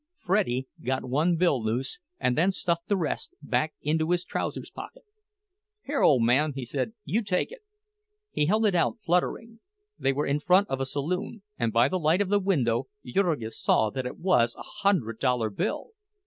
"Freddie" got one bill loose, and then stuffed the rest back into his trousers' pocket. "Here, ole man," he said, "you take it." He held it out fluttering. They were in front of a saloon; and by the light of the window Jurgis saw that it was a hundred dollar bill!